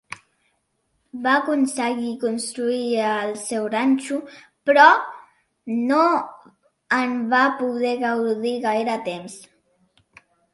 Va aconseguir construir-hi el seu ranxo, però no en va poder gaudir gaire temps.